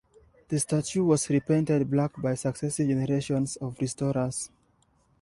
The statue was repainted black by successive generations of restorers.